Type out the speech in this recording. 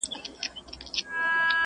د ړندو په ښار کي وېش دی چي دا چور دی؛